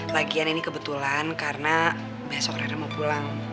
lagian ini kebetulan karena besok rada mau pulang